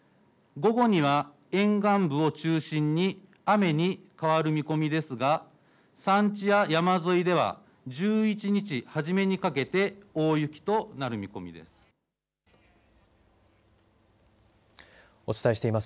午後には沿岸部を中心に雨に変わる見込みですが山地や山沿いでは１１日初めにかけて大雪となる見込みです。